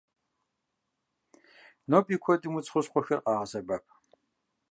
Ноби куэдым удз хущхъуэхэр къагъэсэбэп.